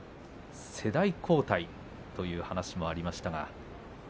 世代交代という話もありました。